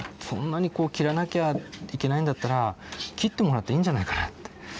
そんなにこう切らなきゃいけないんだったら切ってもらっていいんじゃないかなって。